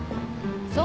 そう？